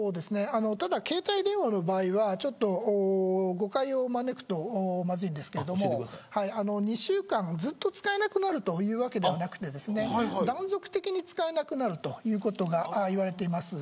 ただ携帯電話の場合は誤解を招くとまずいですが２週間ずっと使えなくなるというわけではなくて断続的に使えなくなるということがいわれています。